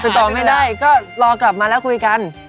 ตอบไม่ได้ก็รอกลับมาแล้วคุยกัน